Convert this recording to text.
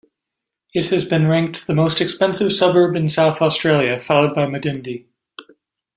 It has been ranked the most expensive suburb in South Australia, followed by Medindie.